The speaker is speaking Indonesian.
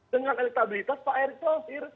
dengan elektabilitas pak erick thohir